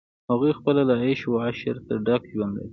هغوی خپله له عیش و عشرته ډک ژوند لري.